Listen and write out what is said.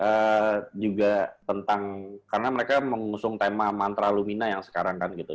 ada juga tentang karena mereka mengusung tema mantra lumina yang sekarang kan gitu